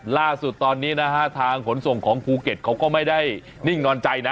ล่าสุดตอนนี้นะฮะทางขนส่งของภูเก็ตเขาก็ไม่ได้นิ่งนอนใจนะ